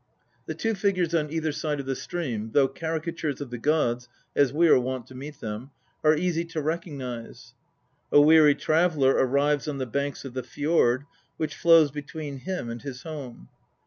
The two figures on either side of the stream, though caricatures of the gods as we are wont to meet them, are easy to recognise. A weary traveller arrives on the banks of the fjord which flows between him and his home.